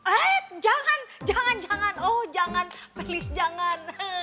eh jangan jangan jangan oh jangan please jangan